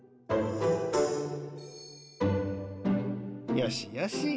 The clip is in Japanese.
よしよし。